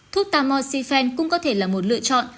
thuốc tamoxifen cũng có thể là một lựa chọn